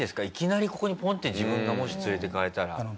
いきなりここにポンって自分がもし連れていかれたら。